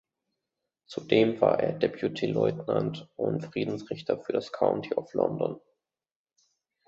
Zudem war er Deputy Lieutenant und Friedensrichter für das County of London.